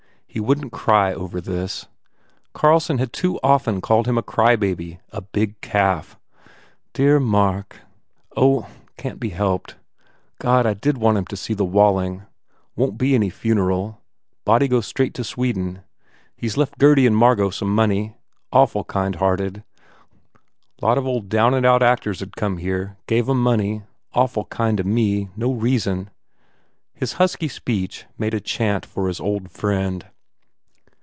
He wouldn t cry over this. Carlson had too often called him a crybaby, a big calf. "Dear Mark." u Oh ... can t be helped. God, I did want him to see the Walling! Won t be any funeral. Body goes straight to Sweden. ... He s left Gurdy and Margot some money. ... Awful kindhearted. ... Lot of old down and out act ors d come here. Gave em money. Awful kind to me. ... No reason." His husky speech made a chant for his old friend.